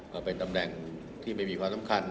ก็เป็นตำแหน่งที่ไม่มีความสำคัญ